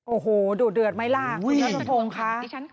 โอ้โหดูดเดิดไมลากน้อร่องฮงค่ะ